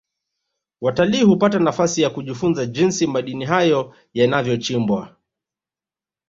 watalii hupata nafasi ya kujifunza jinsi madini hayo yanavyochimbwa